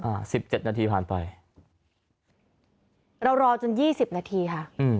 อ่าสิบเจ็ดนาทีผ่านไปเรารอจนยี่สิบนาทีค่ะอืม